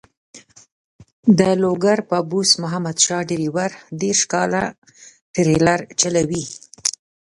د لوګر بابوس محمد شاه ډریور دېرش کاله ټریلر چلوي.